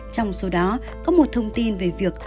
trong số đó có một thông tin về việc